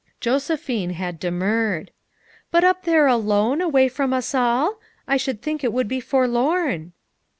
Josephine had demurred. "But up there alone, away from us all? I think it would be forlorn."